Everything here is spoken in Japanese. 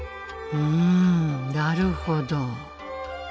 うんなるほど。